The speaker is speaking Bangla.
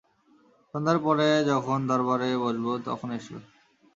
সন্ধ্যার পরে যখন দরবারে বসব তখন এসো।